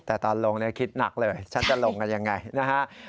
แต่ตอนลงคิดหนักเลยฉันจะลงกันยังไงนะฮะ